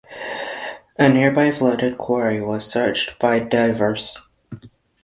A nearby flooded quarry was searched by divers.